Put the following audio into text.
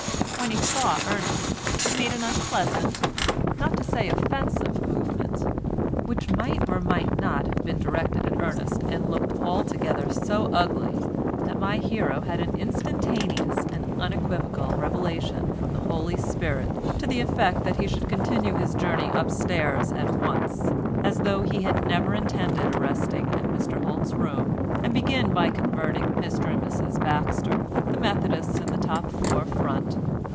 When he saw Ernest, he made an unpleasant, not to say offensive movement, which might or might not have been directed at Ernest and looked altogether so ugly that my hero had an instantaneous and unequivocal revelation from the Holy Spirit to the effect that he should continue his journey upstairs at once, as though he had never intended arresting it at Mr Holt's room, and begin by converting Mr and Mrs Baxter, the Methodists in the top floor front.